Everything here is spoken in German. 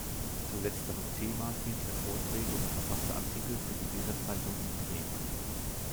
Zu letzterem Thema hielt er Vorträge und verfasste Artikel für die Weser-Zeitung in Bremen.